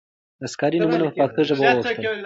عسکري نومونه په پښتو ژبه واوښتل.